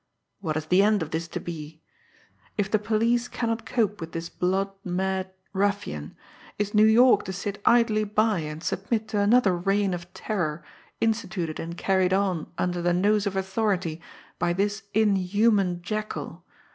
What is the end of this to be? If the police cannot cope with this blood mad ruffian, is New York to sit idly by and submit to another reign of terror instituted and carried on under the nose of authority by this inhuman jackal?